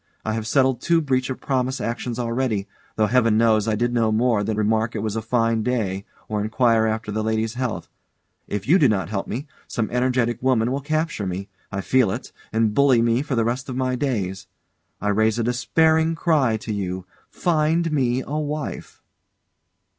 I have settled two breach of promise actions already, though Heaven knows I did no more than remark it was a fine day, or enquire after the lady's health. If you do not help me, some energetic woman will capture me I feel it and bully me for the rest of my days. I raise a despairing cry to you Find me a wife!